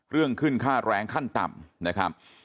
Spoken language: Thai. เรื่องขึ้นค่าแรงขั้นต่ำ